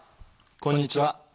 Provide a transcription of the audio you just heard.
こんにちは。